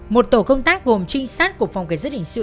một tổ công tác gồm trinh sát của phòng cảnh sát hình sự